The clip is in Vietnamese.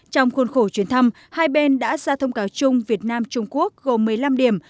trong khuôn khổ chuyến thăm hai bên đã ra thông cáo chung việt nam trung quốc gồm một mươi năm điểm